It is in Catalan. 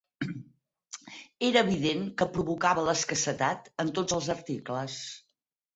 Era evident que provocava l'escassetat en tots els articles